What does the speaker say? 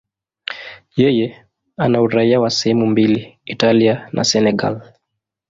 Yeye ana uraia wa sehemu mbili, Italia na Senegal.